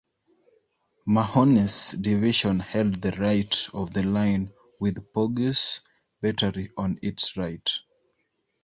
Mahone's division held the right of the line with Poague's battery on its right.